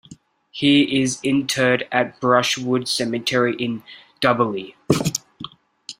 He is interred at Brushwood Cemetery in Dubberly.